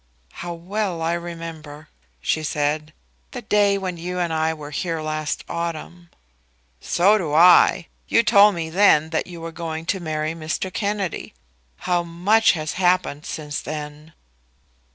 "How well I remember," she said, "the day when you and I were here last autumn!" "So do I. You told me then that you were going to marry Mr. Kennedy. How much has happened since then!"